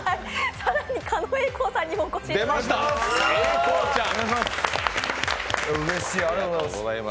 更に、狩野英孝さんにもお越しいただいております。